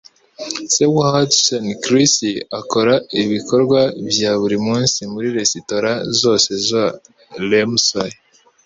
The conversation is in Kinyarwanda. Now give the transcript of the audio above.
Se wa Hutcheson, Chris, akora ibikorwa bya buri munsi muri resitora zose za Ramsay.